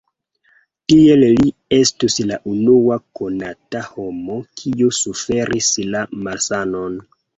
Tiel li estus la unua konata homo kiu suferis la malsanon.